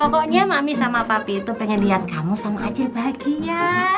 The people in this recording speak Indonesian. pokoknya makmi sama papi itu pengen lihat kamu sama aja bahagia